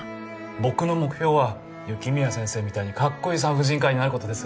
僕の目標は雪宮先生みたいにかっこいい産婦人科医になる事です。